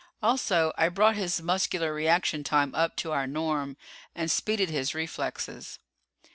Also I brought his muscular reaction time up to our norm, and speeded his reflexes."